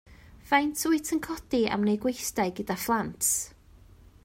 Faint wyt yn codi am wneud gweithdai gyda phlant?